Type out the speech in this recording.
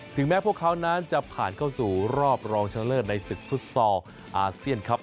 แม้พวกเขานั้นจะผ่านเข้าสู่รอบรองชนะเลิศในศึกฟุตซอลอาเซียนครับ